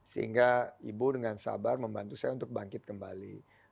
sehingga ibu dengan sabar membantu saya untuk bangkit kembali